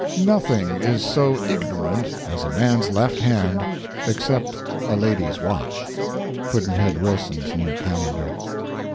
Nothing is so ignorant as a man's left hand, except a lady's watch. Pudd'nhead Wilson's New Calendar.